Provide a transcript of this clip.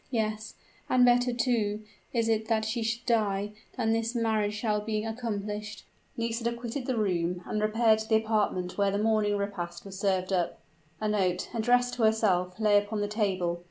Yes and better, too, is it that she should die, than that this marriage shall be accomplished!" Nisida quitted the room, and repaired to the apartment where the morning repast was served up. A note, addressed to herself, lay upon the table.